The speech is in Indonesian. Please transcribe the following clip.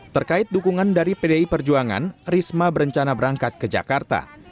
terkait dukungan dari pdi perjuangan risma berencana berangkat ke jakarta